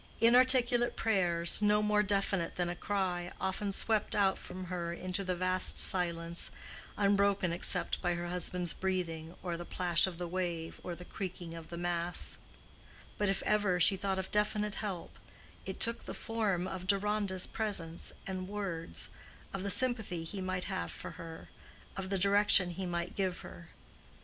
Inarticulate prayers, no more definite than a cry, often swept out from her into the vast silence, unbroken except by her husband's breathing or the plash of the wave or the creaking of the masts; but if ever she thought of definite help, it took the form of Deronda's presence and words, of the sympathy he might have for her, of the direction he might give her.